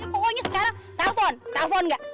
pokoknya sekarang telfon telfon ga